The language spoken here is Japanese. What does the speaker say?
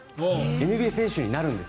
ＮＢＡ選手になるんです。